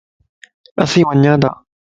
اسين ونياتا